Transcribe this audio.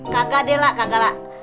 kakak dela kagak lah